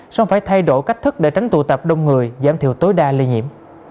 xong phải thay đổi cách thức để tránh tụ tập đông người giảm thiểu tối đa lây nhiễm